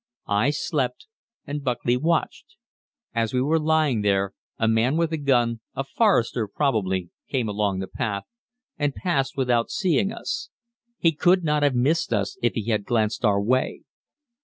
I slept and Buckley watched. As we were lying there, a man with a gun, a forester probably, came along the path, and passed without seeing us. He could not have missed us if he had glanced our way.